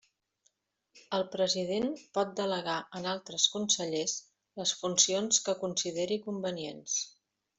El president pot delegar en altres consellers les funcions que consideri convenients.